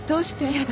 嫌だ